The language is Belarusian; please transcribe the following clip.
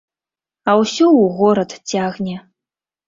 А ўсё ў горад цягне.